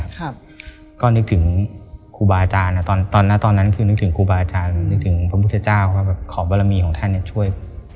เลยนึกถึงครูบารจานนะตอนณตอนนั้นนึกถึงขอบารมีครูบารจานนึกถึงพระมุทธเจ้าขอบารมีของท่านช่วย